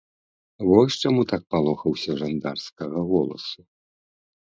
Вось чаму так палохаўся жандарскага голасу.